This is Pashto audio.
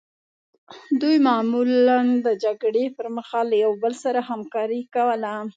دوی معمولا د جګړې پرمهال له یو بل سره همکاري کوله.